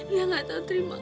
yang gak tau terima kasih